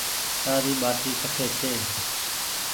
تآري ٻآٽي ڪٽي ڇي۔